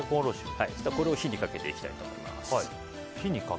そうしたら、これを火にかけていきたいと思います。